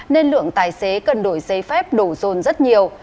nên lượng tài xế cần đổi giấy phép đổ rồn rất nhiều